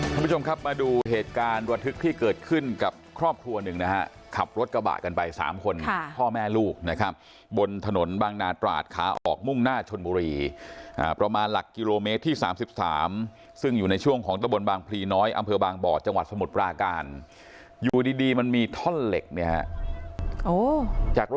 ท่านผู้ชมครับมาดูเหตุการณ์ระทึกที่เกิดขึ้นกับครอบครัวหนึ่งนะฮะขับรถกระบะกันไปสามคนพ่อแม่ลูกนะครับบนถนนบางนาตราดขาออกมุ่งหน้าชนบุรีประมาณหลักกิโลเมตรที่๓๓ซึ่งอยู่ในช่วงของตะบนบางพลีน้อยอำเภอบางบ่อจังหวัดสมุทรปราการอยู่ดีดีมันมีท่อนเหล็กเนี่ยฮะ